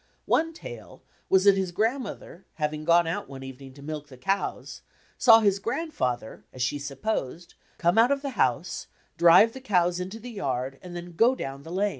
One tale was that his grandmother having gone out one evening to milk the cows, saw his grandfather, as she supposed, come out of the house, drive the cows into the yard and then go down the lane.